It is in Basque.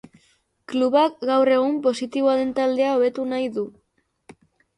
Klubak gaur egun positiboa den taldea hobetu nahi du.